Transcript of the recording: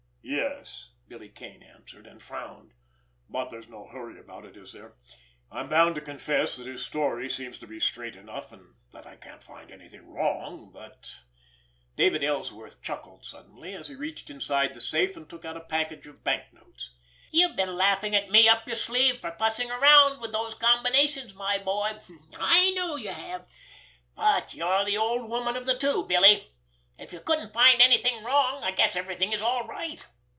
"Yes," Billy Kane answered—and frowned. "But there's no hurry about it, is there? I'm bound to confess that his story seems to be straight enough, and that I can't find anything wrong, but——" David Ellsworth chuckled suddenly, as he reached inside the safe and took out a package of banknotes. "You've been laughing at me up your sleeve for fussing around with those combinations, my boy—I know you have. But you're the old woman of the two, Billy. If you couldn't find anything wrong, I guess everything is all right.